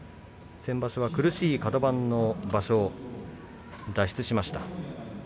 先場所は苦しいカド番の場所脱出しました。